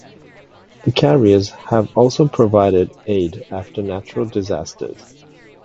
The carriers have also provided aid after natural disasters.